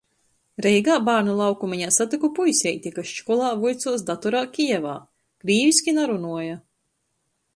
Reigā bārnu laukumeņā satyku puiseiti, kas školā vuicuos datorā Kijevā. Krīviski narunuoja.